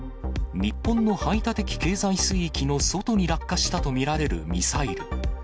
日本の排他的経済水域の外に落下したと見られるミサイル。